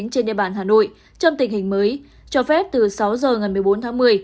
trên địa bàn hà nội trong tình hình mới cho phép từ sáu giờ ngày một mươi bốn tháng một mươi